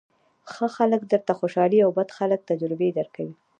ښه خلک درته خوشالۍ او بد خلک تجربې درکوي.